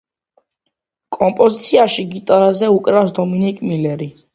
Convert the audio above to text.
კომპოზიციაში გიტარაზე უკრავს დომინიკ მილერი.